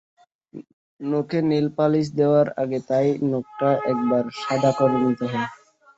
নখে nail polish দেওয়ার আগে তাই নখটা একেবারে সাদা করে নিতে হয়।